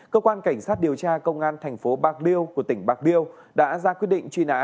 cơ quan cảnh sát điều tra công an thành phố bạc liêu của tỉnh bạc liêu đã ra quyết định truy nã